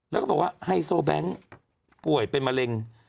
แล้วก็บอกว่าไฮโซแบงค์ป่วยเป็นมะเร็ง